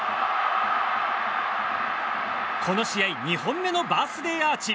この試合２本目のバースデーアーチ。